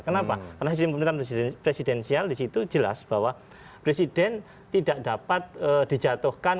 kenapa karena sistem pemerintahan presidensial di situ jelas bahwa presiden tidak dapat dijatuhkan